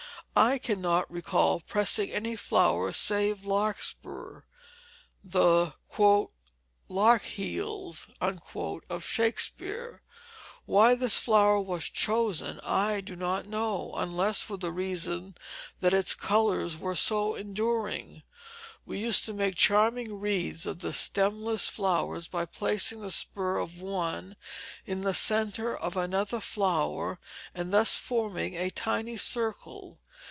I cannot recall pressing any flower save larkspur, the "lark heels" of Shakespeare. Why this flower was chosen I do not know, unless for the reason that its colors were so enduring. We used to make charming wreaths of the stemless flowers by placing the spur of one in the centre of another flower, and thus forming a tiny circle.